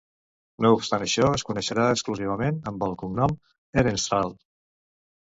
No obstant això, es coneixerà exclusivament amb el cognom Ehrenstrahl.